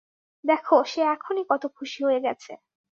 দেখো সে এখনই কত খুশি হয়ে গেছে।